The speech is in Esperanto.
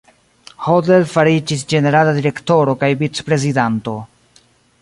Hodler fariĝis Ĝenerala Direktoro kaj Vicprezidanto.